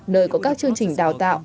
nơi có các chương trình đào tạo